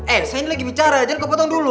eh saya ini lagi bicara jangan kok potong dulu